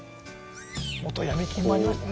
「元ヤミ金」もありましたね。